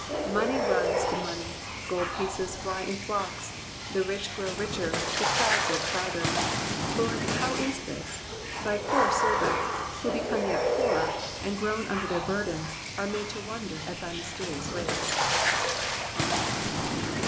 Money runs to money, gold pieces fly in flocks ; the rich grow richer, the proud grow prouder. Lord, how is this? Thy poor servants, who become yet poorer, and groan under their burdens, are made to wonder at thy mysterious ways.